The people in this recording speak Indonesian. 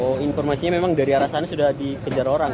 oh informasinya memang dari arah sana sudah dikejar orang